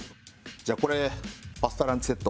じゃあこれパスタランチセット。